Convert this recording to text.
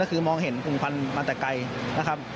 ก็คือมองเห็นกลุ่มควันมาแต่ไกลนะครับ